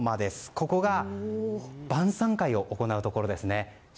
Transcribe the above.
ここが晩さん会を行うところですね。